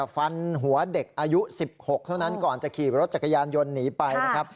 ฟันหัวเด็กอายุ๑๖เท่านั้นก่อนจะขี่รถจักรยานยนต์หนีไปนะครับ